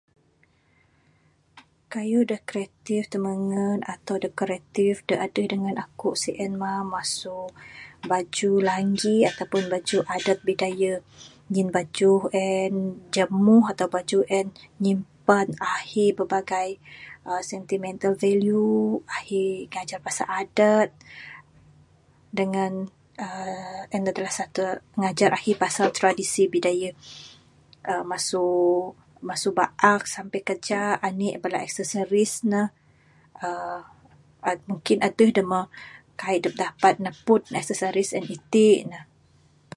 Kayuh da creative, timengen atau da creative da adeh dengen aku sien mah masu baju langgi ataupun baju adat bidayeh, ngin baju en jemuh ataupun baju en nyimpan ahi pelbagai aaa sentimental value, ahi ngajah pasal adet dengen aaa en adalah ngajar ahi pasel tradisi bidayeh. aaa masu ... masu baak sampai kajak anih bala accessories ne aaa mungkin adeh da meh kaik adep dapet ne pun accessories en iti ne.